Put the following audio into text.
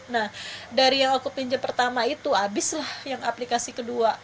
nah dari yang aku pinjam pertama itu habislah yang aplikasi kedua